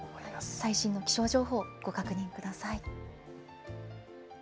最新の気象情報をご確認ください。